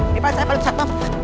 daripada saya paling besar